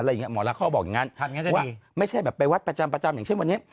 หมอรักเขาบอกอย่างนั้นว่าไม่ใช่แบบไปวัดประจำประจำอย่างเช่นวันนี้